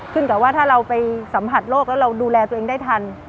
กับว่าถ้าเราไปสัมผัสโรคแล้วเราดูแลตัวเองได้ทัน